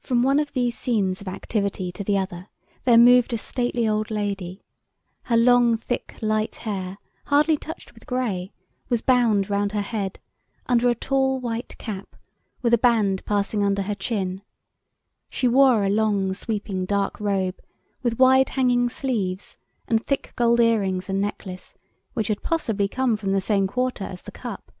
From one of these scenes of activity to the other, there moved a stately old lady: her long thick light hair, hardly touched with grey, was bound round her head, under a tall white cap, with a band passing under her chin: she wore a long sweeping dark robe, with wide hanging sleeves, and thick gold ear rings and necklace, which had possibly come from the same quarter as the cup.